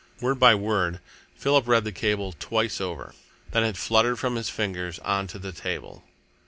Word by word, Philip read the cable twice over. Then it fluttered from his fingers on to the table.